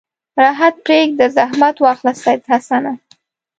راحت پرېږده زحمت واخله سید حسنه.